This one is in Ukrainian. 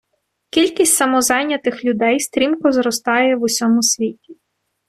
Кількість самозайнятих людей стрімко зростає в усьому світі.